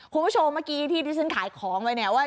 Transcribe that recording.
คุณผู้โชคเมื่อกี้ที่ฉันขายของไว้นะ